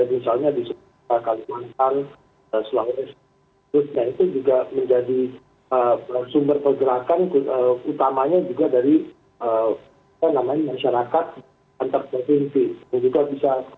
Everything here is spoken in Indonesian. misalnya di kalimantan sulawesi itu juga menjadi sumber pergerakan utamanya juga dari masyarakat antar provinsi